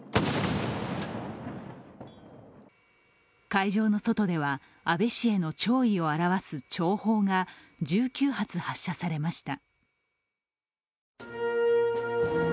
会場の外では、安倍氏への弔意を表す弔砲が１９発、発射されました。